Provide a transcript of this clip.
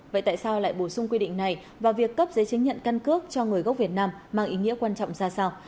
vậy tại sao lại bổ sung quy định này vào việc cấp giấy chứng nhận căn cước cho người gốc việt nam mang ý nghĩa quan trọng ra sao